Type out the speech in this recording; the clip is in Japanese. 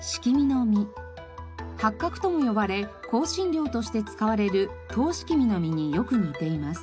八角とも呼ばれ香辛料として使われるトウシキミの実によく似ています。